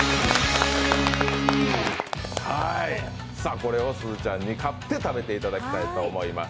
これをすずちゃんに勝って食べていただきたいと思います。